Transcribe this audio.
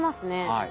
はい。